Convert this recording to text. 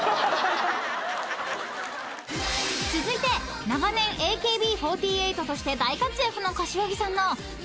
［続いて長年「ＡＫＢ４８」として大活躍の］